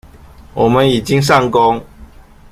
我們已經上工